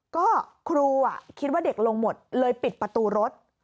ก็ครูคิดว่าเด็กลงหมดเลยปิดประตูรถ